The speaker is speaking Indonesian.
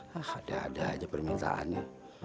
hah ada ada aja permintaannya